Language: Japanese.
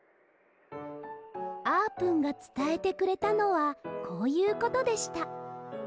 あーぷんがつたえてくれたのはこういうことでした。